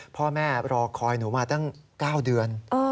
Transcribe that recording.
พ่อแม่รอคอยหนูมาตั้ง๙เดือน